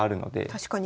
確かに。